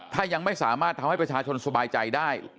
ถ้ายังไม่สามารถทำให้ประชาชนสบายใจได้